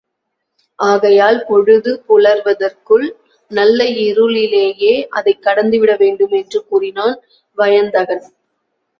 ஆகையால் பொழுது புலர்வதற்குள் நல்ல இருளிலேயே அதைக் கடந்துவிட வேண்டுமென்று கூறினான் வயந்தகன்.